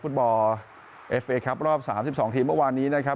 ฟุตบอลเอฟเอครับรอบสามสิบสองทีมเมื่อวานีน่ะครับ